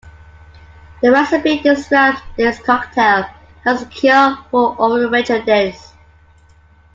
The recipe describes this cocktail as a cure for overindulgence.